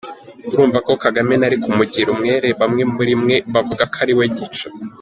Urumva ko Kagame nari kumugira umwere, bamwe muri mwe bavuga ko ariwe gica.